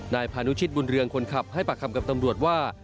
นายพานุชิตบุญเรืองคนขับให้ปากคำกับตำรวจว่า